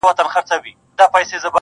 انساني کرامت تر سوال للاندي دی,